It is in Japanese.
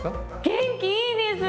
元気いいです！